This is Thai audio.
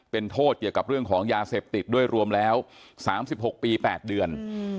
เป็นโทษเกี่ยวกับเรื่องของยาเสพติดด้วยรวมแล้ว๓๖ปี๘เดือน